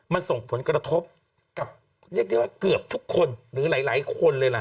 มันส่งผลกระทบกับเรียกได้ว่าเกือบทุกคนหรือหลายคนเลยล่ะ